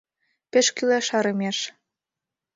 Пеш кӱлеш Арымеш